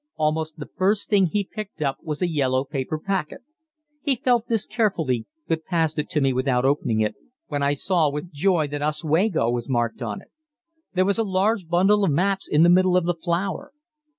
Almost the first thing he picked up was a yellow paper packet. He felt this carefully, but passed it to me without opening it, when I saw with joy that "Oswego" was marked on it. There was a large bundle of maps in the middle of the flour.